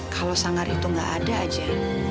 kalau sanggar itu nggak ada aja